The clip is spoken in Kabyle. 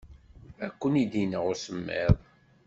Ad kent-ineɣ usemmiḍ.